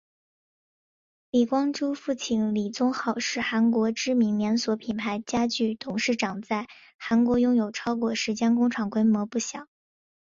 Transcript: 李光洙父亲李宗浩是韩国知名连锁品牌家具董事长在韩国拥有超过十间工厂规模不小。